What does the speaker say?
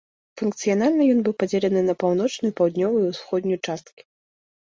Функцыянальна ён быў падзелены на паўночную, паўднёвую і ўсходнюю часткі.